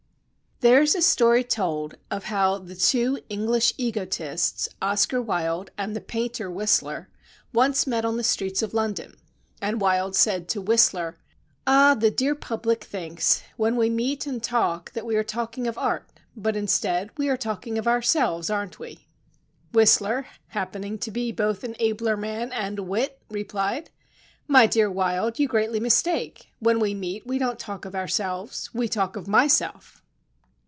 THERE is a story told of how the two English egotists, Oscar Wilde and the painter Whistler, once met on the streets of London, and Wilde said to Whistler: Ah, the dear public thinks when we meet and talk, that we are talking of art, but instead we are talking of ourselves, aren't we ?" Whistler happening to be both an abler man and a wit, replied: My dear Wilde, you greatly mistake ; when we meet, we don't talk of ourselves, we talk of myself."